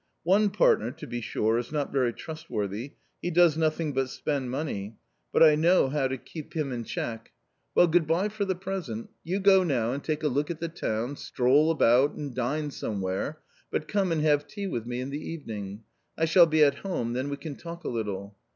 One partner to be sure is not very trustworthy — he does nothing but spend money, but I know how to keep iV ^ 36 A COMMON STORY him in check. Well, good bye for the present. You go now and take a look at the town, stroll about, and dine somewhere, but come and have tea with me in the evening. I shall be at home, then we can talk a little.